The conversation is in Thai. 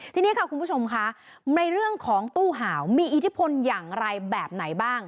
ทีนี้ค่ะคุณผู้ชมค่ะในเรื่องของตู้ห่าวมีอิทธิพลอย่างไรแบบไหนบ้าง